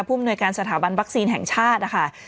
อำนวยการสถาบันวัคซีนแห่งชาตินะคะ